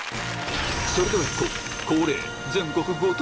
それでは行こう！